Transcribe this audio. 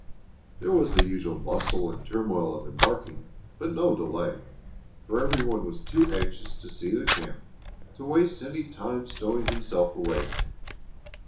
There was the usual bustle and turmoil of embarking, but no delay, for every one was too anxious to see the camp to waste any time stowing himself away.